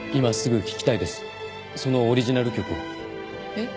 えっ？